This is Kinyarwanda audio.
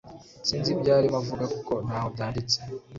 sinzi ibyo arimo avuga kuko ntaho byanditse